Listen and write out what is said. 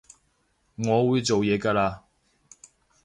我會做嘢㗎喇